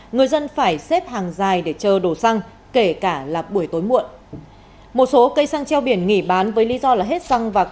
người dân phải xếp hàng dài để chờ đồ xăng kể cả là buổi tối muộn